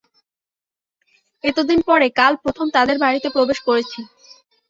এতদিন পরে কাল প্রথম তাঁদের বাড়িতে প্রবেশ করেছি।